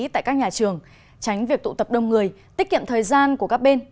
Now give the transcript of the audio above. tại các nhà trường tránh việc tụ tập đông người tiết kiệm thời gian của các bên